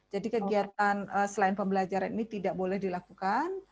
jadi kegiatan selain pembelajaran ini tidak boleh dilakukan